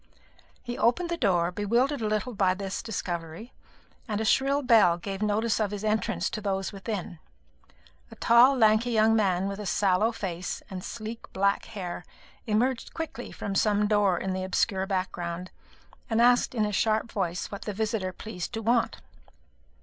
He opened the door, bewildered a little by this discovery, and a shrill bell gave notice of his entrance to those within. A tall lanky young man, with a sallow face and sleek black hair, emerged quickly from some door in the obscure background, and asked in a sharp voice what the visitor pleased to want.